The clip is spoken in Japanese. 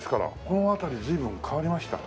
この辺り随分変わりました？